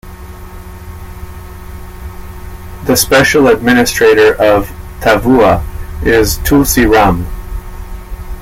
The special administrator of Tavua is Tulsi Ram.